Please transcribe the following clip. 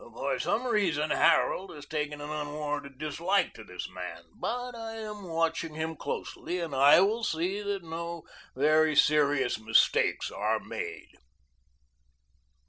"For some reason Harold has taken an unwarranted dislike to this man, but I am watching him closely, and I will see that no very serious mistakes are made."